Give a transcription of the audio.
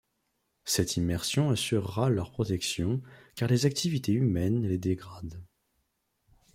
Cette immersion assurera leur protection, car les activités humaines les dégradent.